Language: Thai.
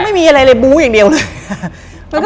ไม่มีอะไรเลยบู้อย่างเดียวเลย